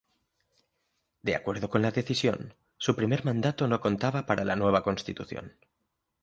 De acuerdo con la decisión, su primer mandato no contaba para la nueva Constitución.